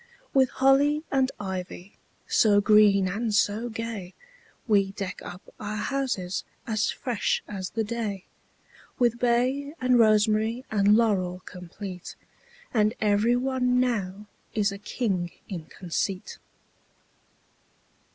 With holly and ivy So green and so gay, We deck up our houses As fresh as the day; With bay and rosemary And laurel complete; And every one now Is a king in conceit.